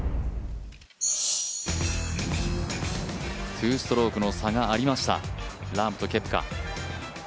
２ストロークの差がありました、ラームとケプカ。